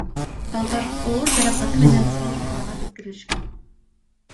Балдар оор жаракаты менен ооруканага жеткирилишкен.